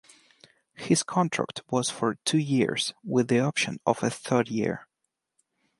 His contract was for two years, with the option of a third year.